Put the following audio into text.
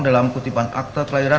dalam kutipan akte kelahiran